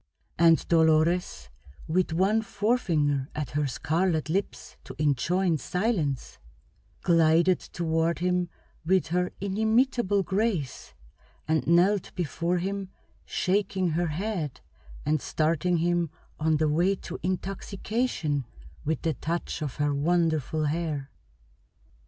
And Dolores, with one forefinger at her scarlet lips to enjoin silence, glided toward him with her inimitable grace, and knelt before him shaking her head and starting him on the way to intoxication with the touch of her wonderful hair.